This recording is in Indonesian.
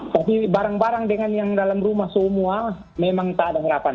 tapi barang barang dengan yang dalam rumah semua memang tak ada harapan